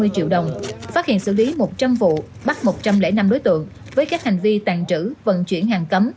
hai mươi triệu đồng phát hiện xử lý một trăm linh vụ bắt một trăm linh năm đối tượng với các hành vi tàn trữ vận chuyển hàng cấm